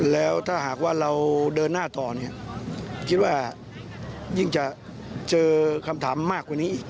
แล้วถ้าหากว่าเราเดินหน้าต่อเนี่ยคิดว่ายิ่งจะเจอคำถามมากกว่านี้อีก